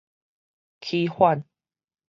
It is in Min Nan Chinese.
起反